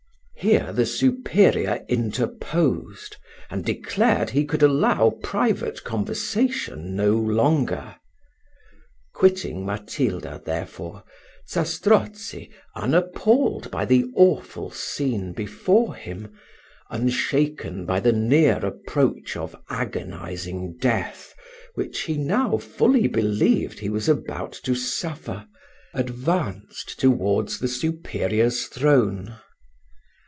Here the superior interposed, and declared he could allow private conversation no longer. Quitting Matilda, therefore, Zastrozzi, unappalled by the awful scene before him, unshaken by the near approach of agonising death, which he now fully believed he was about to suffer, advanced towards the superior's throne.